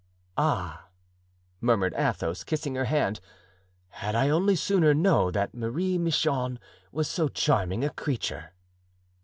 "Ah," murmured Athos, kissing her hand, "had I only sooner known that Marie Michon was so charming a creature!"